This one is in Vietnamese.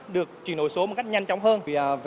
được truyền đổi số một cách nhanh chóng hơn